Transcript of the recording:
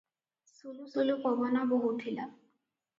ସୁଲୁ ସୁଲୁ ପବନ ବୋହୁଥିଲା ।